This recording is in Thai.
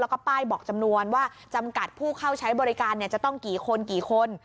แล้วก็ป้ายบอกจำนวนว่าจำกัดผู้เข้าใช้บริการจะต้องกี่คนกี่คน